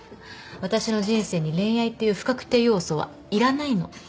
私の人生に恋愛っていう不確定要素はいらないの。